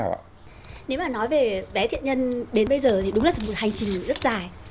nếu mà nói về bé thiện nhân đến bây giờ thì đúng là một hành trình rất dài